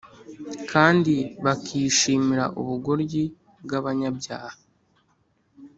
kandi bakishimira ubugoryi bw’abanyabyaha